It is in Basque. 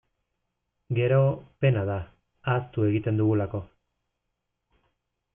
Gero, pena da, ahaztu egiten dugulako.